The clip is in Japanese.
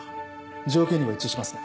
条件にも一致しますね。